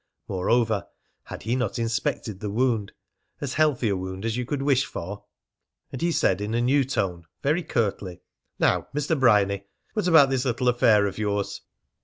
Moreover, had he not inspected the wound as healthy a wound as you could wish for? And he said in a new tone, very curtly: "Now, Mr. Bryany, what about this little affair of yours?"